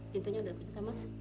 pintunya udah kecil pak mas